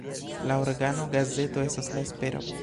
La organo-gazeto estas "La Espero".